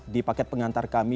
di paket pengantar kami